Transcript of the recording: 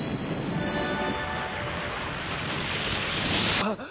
あっ！